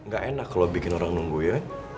gak enak kalau bikin orang nunggu ya